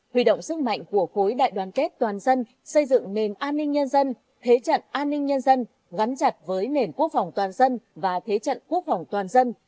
huy động sức mạnh của khối đại đoàn kết toàn dân xây dựng nền an ninh nhân dân thế trận an ninh nhân dân gắn chặt với nền quốc phòng toàn dân và thế trận quốc phòng toàn dân